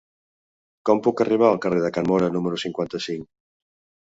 Com puc arribar al carrer de Can Móra número cinquanta-cinc?